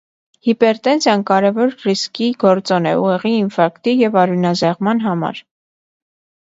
Հիպերտենզիան կարևոր ռիսկի գործոն է ուղեղի ինֆարկտի և արյունազեղման համար։